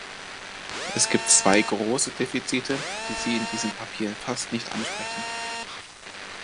Es gibt zwei große Defizite, die Sie in diesem Papier fast nicht ansprechen.